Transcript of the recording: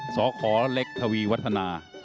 สขเล็กทวีวัฒนา